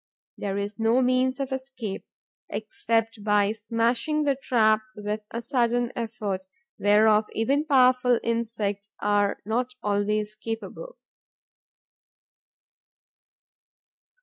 There is no means of escape, except by smashing the trap with a sudden effort whereof even powerful insects are not always capable.